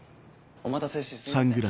お待たせしてすみません。